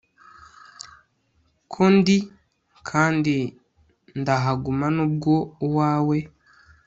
ko ndi, kandi ndahaguma nubwo uwawe